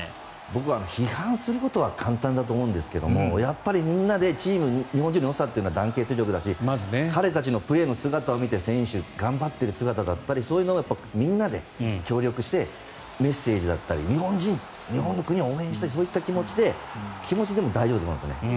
僕は批判することは簡単だと思うんですけどやっぱりみんなでチーム日本人のよさは団結力だし彼たちのプレーの姿を見て選手の頑張っている姿だったりそういうのをみんなで協力してメッセージだったり日本人、日本の国を応援したいそういった気持ちでも大丈夫だと思いますね。